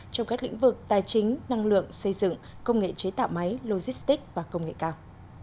trong các lĩnh vực tài chính năng lượng xây dựng công nghệ chế tạo máy logistic và công nghệ cao